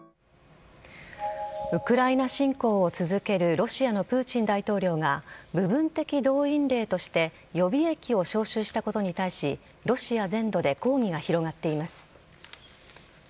ウクライナ侵攻を続けるロシアのプーチン大統領が部分的動員令として予備役を招集したことに対しロシア全土で抗議が広がっています。